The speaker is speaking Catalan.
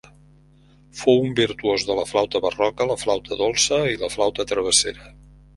Fou un virtuós de la flauta barroca, la flauta dolça i la flauta travessera.